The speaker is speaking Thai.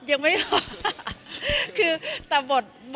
ยังไม่หยุด